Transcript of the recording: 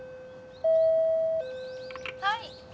「はい」